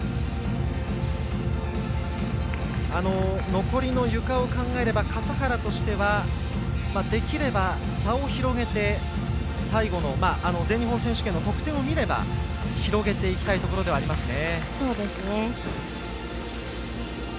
残りのゆかを考えれば笠原としてはできれば、差を広げて最後全日本選手権の得点を見れば広げていきたいところではありますね。